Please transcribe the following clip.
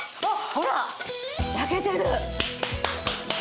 ほら焼けてる。